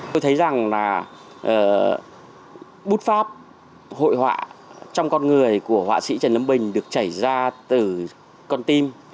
tôi thấy rằng là bút pháp hội họa trong con người của họa sĩ trần nấm bình được chảy ra từ con tim